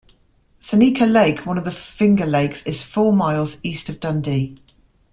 Seneca Lake, one of the Finger Lakes is four miles east of Dundee.